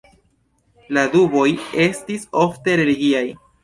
La duboj estis ofte religiaj.